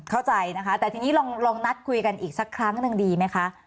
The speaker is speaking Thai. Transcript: เข้าใจนะคะแต่ทีนี้ลองนัดคุยกันอีกสักครั้งหนึ่งดีไหมคะ